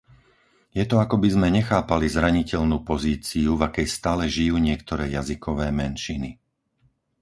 Je to akoby sme nechápali zraniteľnú pozíciu, v akej stále žijú niektoré jazykové menšiny.